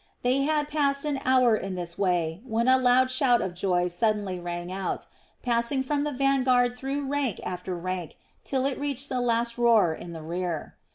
They had passed an hour in this way, when a loud shout of joy suddenly rang out, passing from the vanguard through rank after rank till it reached the last roan in the rear.